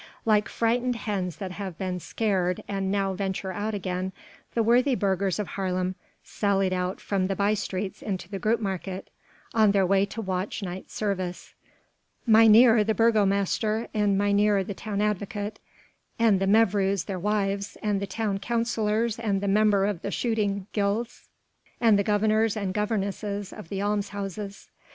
Like frightened hens that have been scared, and now venture out again, the worthy burghers of Haarlem sallied out from the by streets into the Grootemarkt, on their way to watch night service: Mynheer the burgomaster, and mynheer the town advocate, and the mevrouws their wives, and the town councillors and the members of the shooting guilds, and the governors and governesses of the Alms houses.